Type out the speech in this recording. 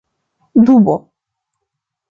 dubo